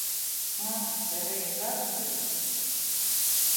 Ыы, бара иабабдыруеи?